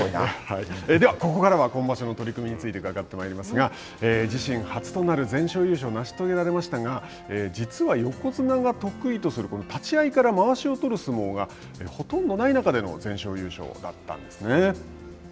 では、ここからは今場所の取組について伺っていきますが自身初となる全勝優勝を成し遂げられましたが実は横綱が得意とするこの立ち合いからまわしをとる相撲がほとんどない中での全勝優勝だったんですね。